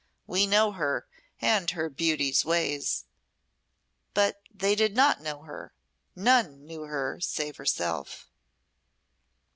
We know her, and her beauty's ways." But they did not know her; none knew her, save herself.